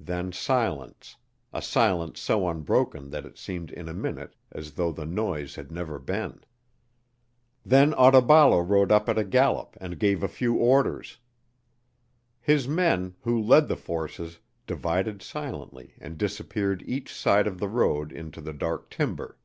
Then silence a silence so unbroken that it seemed in a minute as though the noise had never been. Then Otaballo rode up at a gallop and gave a few orders. His men, who led the forces, divided silently and disappeared each side of the road into the dark timber.